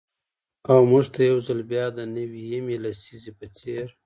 او مـوږ تـه يـو ځـل بـيا د نـوي يمـې لسـيزې پـه څـېر.